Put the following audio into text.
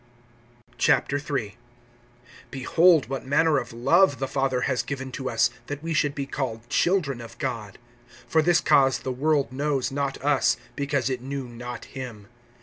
III. BEHOLD what manner of love the Father has given to us, that we should be called children of God. For this cause the world knows not us, because it knew not him.